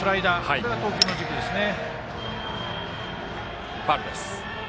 これが投球の軸ですね。